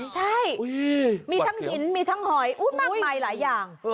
ใช่มีทั้งหินมีทั้งหอยมากมายหลายอย่าง